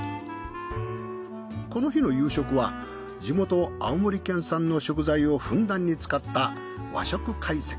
この日の夕食は地元青森県産の食材をふんだんに使った。